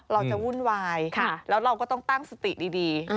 วุ่นวายแล้วเราก็ต้องตั้งสติดี